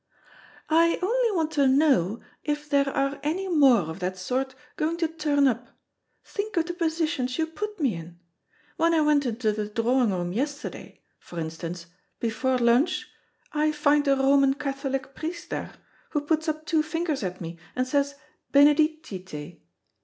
"I only want to know if there are any more of that sort going to turn up. Think of the positions you put me in! When I went into the drawing room yesterday, for instance, before lunch, I find a Roman Catholic priest there, who puts up two fingers at me, and says 'Benedicite.'"